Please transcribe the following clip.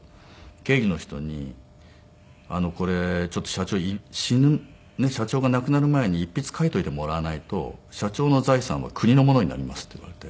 経理の人に「これちょっと社長が亡くなる前に一筆書いといてもらわないと社長の財産は国のものになります」って言われて。